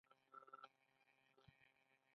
کوم مفصل مو دردیږي؟